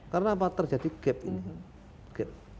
karena terjadi gap ini